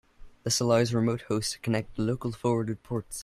This allows remote hosts to connect to local forwarded ports.